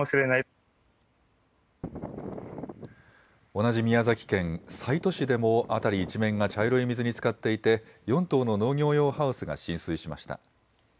同じ宮崎県、西都市でも辺り一面が茶色い水につかっていて、４棟の農業用ハウスが浸水しました。